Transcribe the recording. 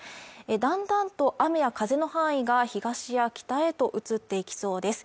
だんだんと雨や風の範囲が東や北へと移っていきそうです